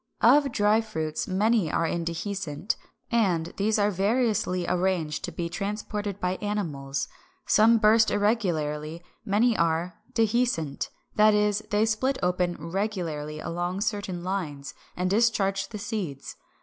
Of dry fruits many are indehiscent; and these are variously arranged to be transported by animals. Some burst irregularly; many are Dehiscent, that is, they split open regularly along certain lines, and discharge the seeds.